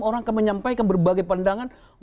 orang akan menyampaikan berbagai pandangan